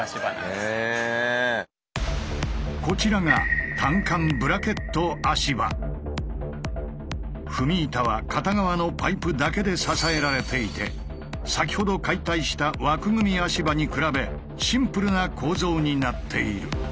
こちらが踏み板は片側のパイプだけで支えられていて先ほど解体した枠組み足場に比べシンプルな構造になっている。